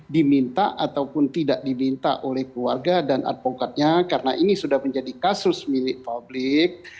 diminta ataupun tidak diminta oleh keluarga dan advokatnya karena ini sudah menjadi kasus milik publik